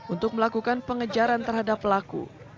untuk melakukan pengejaran terhadap pelaku